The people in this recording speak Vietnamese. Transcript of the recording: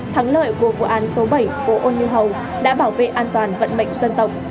thắng lợi của vụ án số bảy phố ô như hầu đã bảo vệ an toàn vận mệnh dân tộc